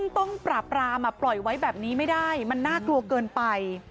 ต้องปราบรามปล่อยไว้แบบนี้ไม่ได้มันน่ากลัวเกินไป